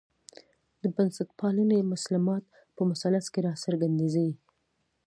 د بنسټپالنې مسلمات په مثلث کې راڅرګندېږي.